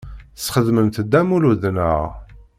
Tesxedmemt Dda Lmulud, naɣ?